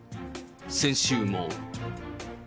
先週も。